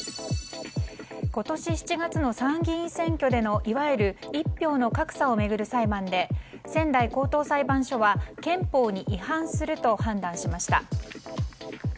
今年７月の参議院選挙でのいわゆる一票の格差を巡る裁判で仙台高等裁判所は憲法に違反すると判断しました。